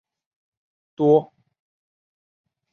多花溲疏为虎耳草科溲疏属下的一个变种。